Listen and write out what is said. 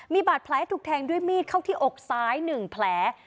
มีบาดแผลถูกแทงด้วยมีดเข้าที่อกซ้าย๑แผล